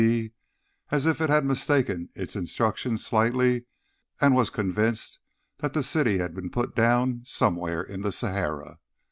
C, as if it had mistaken its instructions slightly and was convinced that the city had been put down somewhere in the Sahara.